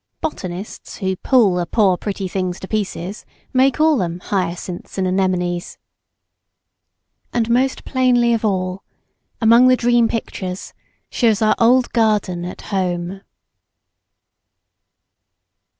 Botanists who pull the poor, pretty things to pieces may call them hyacinths and anemones. And most plainly of all, among the dream pictures shows our old garden at home.